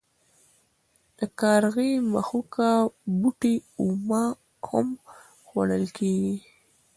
د کارغي مښوکه بوټی اومه هم خوړل کیږي.